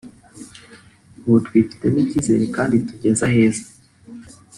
ubu twifitemo icyizere kandi tugeze aheza